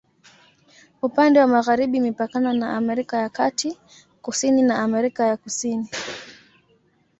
Upande wa magharibi imepakana na Amerika ya Kati, kusini na Amerika ya Kusini.